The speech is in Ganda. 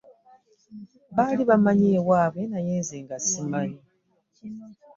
Baali bammanyi ewaabwe naye nga nze ssimanyi.